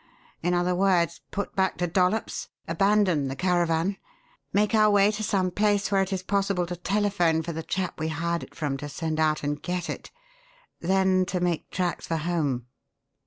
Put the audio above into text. In other words, put back to Dollops, abandon the caravan, make our way to some place where it is possible to telephone for the chap we hired it from to send out and get it; then, to make tracks for home."